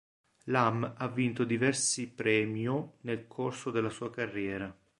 Lam ha vinto diversi premio nel corso della sua carriera.